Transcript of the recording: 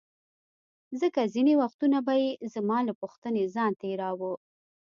ځکه ځیني وختونه به یې زما له پوښتنې ځان تیراوه.